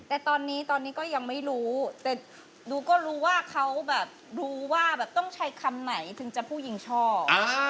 แต่ตอนนี้ตอนนี้ก็ยังไม่รู้แต่หนูก็รู้ว่าเขาแบบรู้ว่าแบบต้องใช้คำไหนถึงจะผู้หญิงชอบ